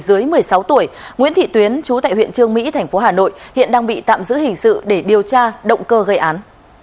dưới một mươi sáu tuổi nguyễn thị tuyến chú tại huyện trương mỹ thành phố hà nội hiện đang bị tạm giữ hình sự để điều tra động cơ gây án